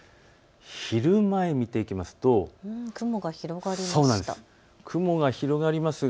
昼前を見ていくと雲が広がりました。